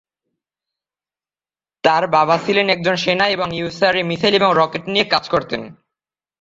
তার বাবা ছিলেন একজন সেনা এবং ইউএসএসআর এ মিসাইল এবং রকেট নিয়ে কাজ করতো।